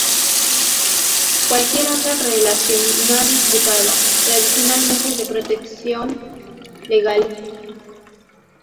Cualquier otra relación no ha disfrutado, tradicionalmente, de protección legal.